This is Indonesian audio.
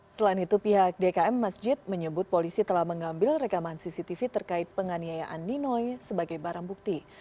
selain itu pihak dkm masjid menyebut polisi telah mengambil rekaman cctv terkait penganiayaan ninoy sebagai barang bukti